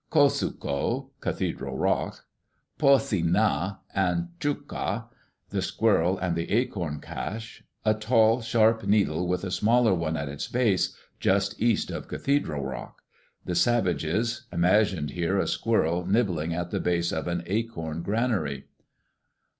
] "Ko su' ko, Cathedral Rock. "Pu si' na, and Chuk' ka (the squirrel and the acorn cache), a tall, sharp needle, with a smaller one at its base, just east of Cathedral Rock.... The savages... imagined here a squirrel nibbling at the base of an acorn granary.